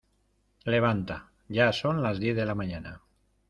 Levanta, ya son las diez de la mañana.